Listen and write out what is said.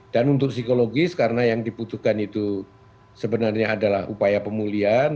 dan untuk psikologis karena yang dibutuhkan itu sebenarnya adalah upaya pemulihan